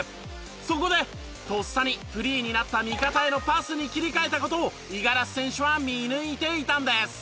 そこでとっさにフリーになった味方へのパスに切り替えた事を五十嵐選手は見抜いていたんです。